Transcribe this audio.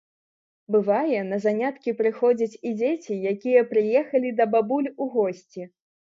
Бывае, на заняткі прыходзяць і дзеці, якія прыехалі да бабуль у госці.